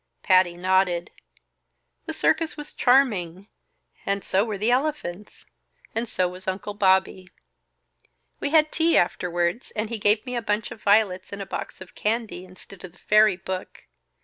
Patty nodded. "The circus was charming and so were the elephants and so was Uncle Bobby. We had tea afterwards; and he gave me a bunch of violets and a box of candy, instead of the fairy book.